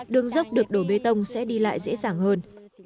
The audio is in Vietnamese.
đường dốc được đổ bê tông sẽ đi lại dễ dàng hơn